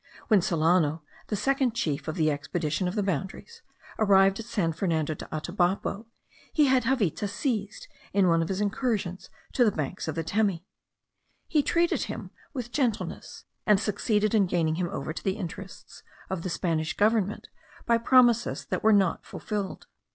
When Solano, the second chief of the expedition of the boundaries, arrived at San Fernando de Atabapo, he had Javita seized, in one of his incursions to the banks of the Temi. He treated him with gentleness, and succeeded in gaining him over to the interests of the Spanish government by promises that were not fulfilled.